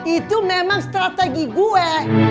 itu memang strategi gue